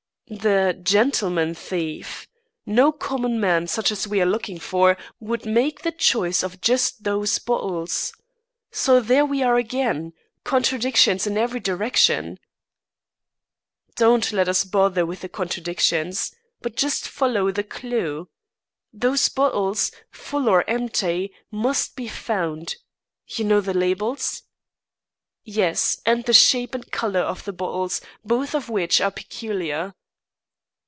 "The gentleman thief! No common man such as we are looking for, would make choice of just those bottles. So there we are again! Contradictions in every direction." "Don't let us bother with the contradictions, but just follow the clew. Those bottles, full or empty, must be found. You know the labels?" "Yes, and the shape and colour of the bottles, both of which are peculiar."